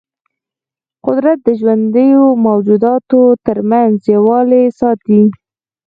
قدرت د ژوندیو موجوداتو ترمنځ یووالی ساتي.